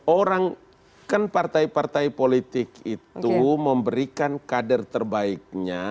orang kan partai partai politik itu memberikan kader terbaiknya